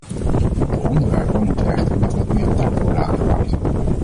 De onderwerpen moeten echter met wat meer tact worden aangepakt.